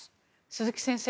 鈴木先生